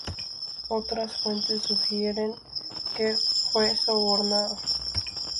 Otras fuentes sugieren que fue sobornado.